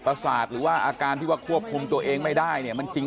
ประสาทหรือว่าอาการที่ว่าควบคุมตัวเองไม่ได้เนี่ยมันจริง